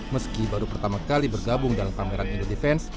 meski baru pertama kali bergabung dalam pameran indodefense